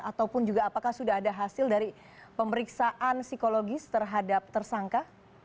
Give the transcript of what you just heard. ataupun juga apakah sudah ada hasil dari pemeriksaan psikologis terhadap tersangka